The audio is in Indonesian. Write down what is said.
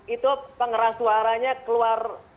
itu pengeras suaranya keluar